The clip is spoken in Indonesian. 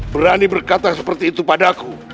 berani berkata seperti itu padaku